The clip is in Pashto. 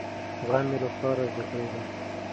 زغم مې له پلاره زده کړی دی.